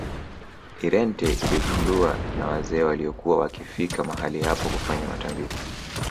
irente iligunduwa na wazee waliokuwa wakifika mahali hapo kufanya matambiko